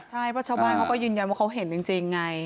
ใช่เพราะชาวบ้านเขาก็ยืนยันว่าเขาเห็นจริงไง